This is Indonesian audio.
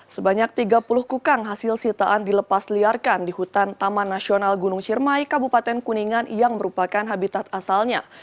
sebanyak tiga puluh kukang hasil sitaan dilepas liarkan di hutan taman nasional gunung cirmai kabupaten kuningan yang merupakan habitat asalnya